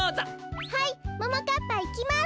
はいももかっぱいきます。